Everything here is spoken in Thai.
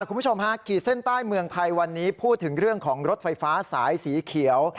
คุณผู้ชมฮะขีดเส้นใต้เมืองไทยวันนี้พูดถึงเรื่องของรถไฟฟ้าสายสีเขียว